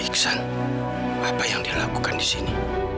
iksan apa yang dilakukan di sini